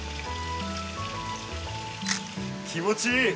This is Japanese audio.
気持ちいい！